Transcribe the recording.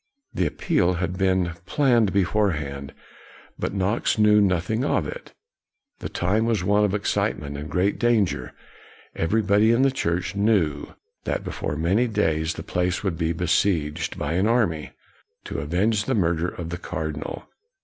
The appeal had been planned beforehand, but Knox knew noth ing of it. The time was one of excitement and great danger. Everybody in the church knew that before many days the place would be besieged, by an army, to avenge the murder of the cardinal.